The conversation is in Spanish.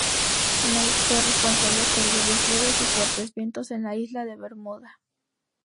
Nate fue responsable por lluvias leves y fuertes vientos en la isla de Bermuda.